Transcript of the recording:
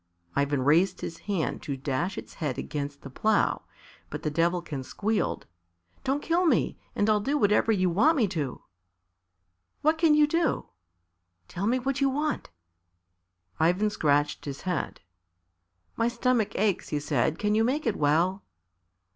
Ivan raised his hand to dash its head against the plough, but the Devilkin squealed, "Don't kill me, and I'll do whatever you want me to." "What can you do?" "Tell me what you want." Ivan scratched his head. "My stomach aches," he said; "can you make it well?"